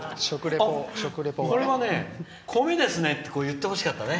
これはね、米ですねって言ってほしかったですね。